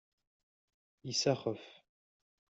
Isaxef.